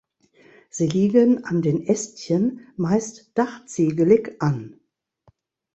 Sie liegen an den Ästchen meist dachziegelig an.